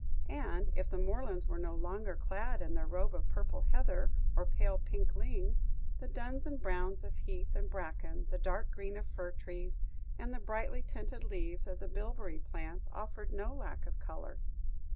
And, if the moorlands were no longer clad in their robe of purple heather, or pale pink ling, the duns and browns of heath and bracken, the dark green of fir trees, and the brightly tinted leaves of the bilberry plants offered no lack of colour.